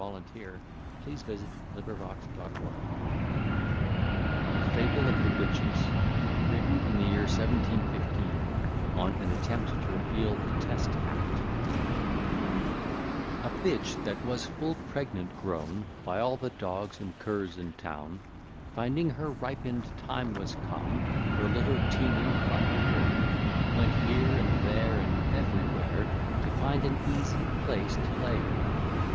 [Footnote 1: Queen Anne died 1st August, 1714.] THE FABLE OF THE BITCHES WRITTEN IN THE YEAR 1715, ON AN ATTEMPT TO REPEAL THE TEST ACT A bitch, that was full pregnant grown By all the dogs and curs in town, Finding her ripen'd time was come, Her litter teeming from her womb, Went here, and there, and everywhere, To find an easy place to lay her.